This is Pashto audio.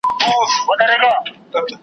زحمت تل ښه نتیجه ورکوي.